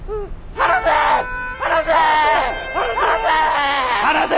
離せ！